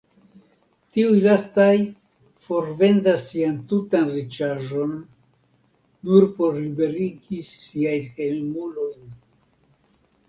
Tiuj lastaj forvendas sian tutan riĉaĵon, nur por liberigi siajn hejmulojn.